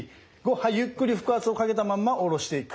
はいゆっくり腹圧をかけたまんま下ろしていく。